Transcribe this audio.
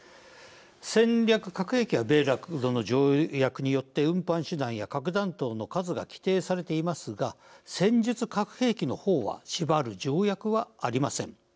戦略核兵器は米ロの条約によって運搬手段や核弾頭の数が規定されていますが戦術核兵器の方はしばる条約はありません。